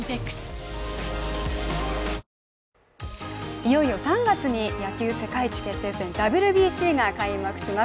いよいよ３月に野球世界一決定戦ＷＢＣが開幕します。